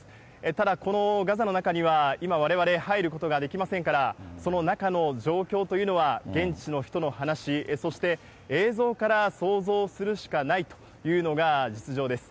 ただこのガザの中には、今、われわれ入ることができませんから、その中の状況というのは現地の人の話、そして映像から想像するしかないというのが実情です。